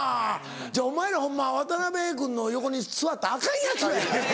お前らホンマは渡君の横に座ったらアカンやつや。